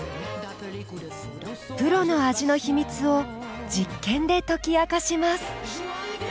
プロの味の秘密を実験で解き明かします。